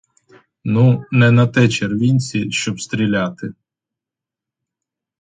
Ну, не на те червінці, щоб стріляти!